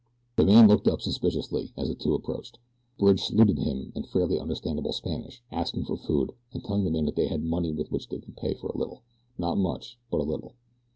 The man looked up, suspiciously, as the two approached. Bridge saluted him in fairly understandable Spanish, asking for food, and telling the man that they had money with which to pay for a little not much, just a little.